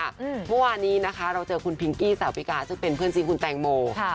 เมื่อวานนี้นะคะเราเจอคุณพิงกี้สาวพิกาซึ่งเป็นเพื่อนจริงคุณแตงโมค่ะ